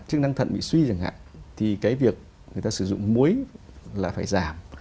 chức năng thận bị suy chẳng hạn thì cái việc người ta sử dụng muối là phải giảm